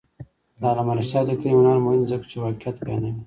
د علامه رشاد لیکنی هنر مهم دی ځکه چې واقعیت بیانوي.